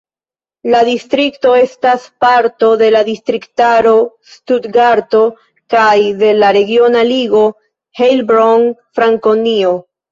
La distrikto estas parto de la distriktaro Stutgarto kaj de la regiona ligo Heilbronn-Frankonio.